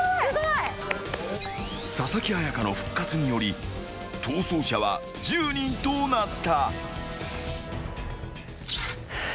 ［佐々木彩夏の復活により逃走者は１０人となった］